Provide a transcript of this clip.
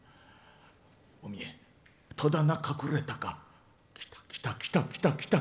おみね、戸棚隠れたか？来た来た、来た来た。